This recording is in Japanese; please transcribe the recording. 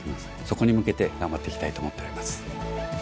そこに向けて頑張っていきたいと思っております。